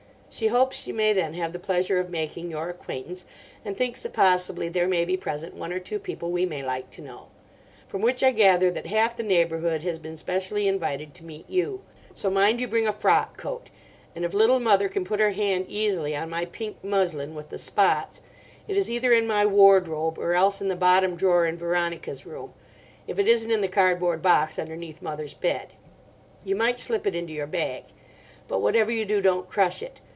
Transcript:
She hopes she may then have the pleasure of making your acquaintance, and thinks that possibly there may be present one or two people we may like to know. From which I gather that half the neighbourhood has been specially invited to meet you. So mind you bring a frock coat; and if Little Mother can put her hand easily on my pink muslin with the spots—it is either in my wardrobe or else in the bottom drawer in Veronica's room, if it isn't in the cardboard box underneath mother's bed—you might slip it into your bag. But whatever you do don't crush it.